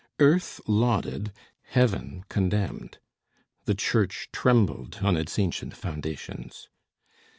Earth lauded, heaven condemned. The church trembled on its ancient foundations.